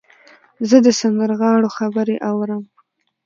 زه د سندرغاړو خبرې اورم.